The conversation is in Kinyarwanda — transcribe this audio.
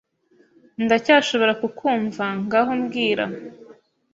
Ndacyashobora kukumva ngaho mbwira